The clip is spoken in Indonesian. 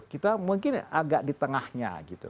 kita mungkin agak di tengahnya gitu